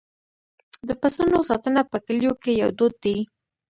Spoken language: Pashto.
د پسونو ساتنه په کلیو کې یو دود دی.